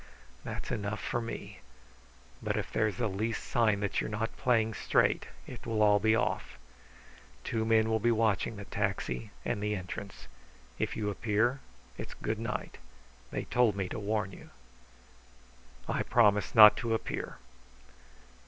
"That's enough for me. But if there's the least sign that you're not playing straight it will be all off. Two men will be watching the taxi and the entrance. If you appear, it's good night. They told me to warn you." "I promise not to appear."